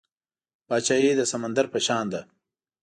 پاچاهي د سمندر په شان ده .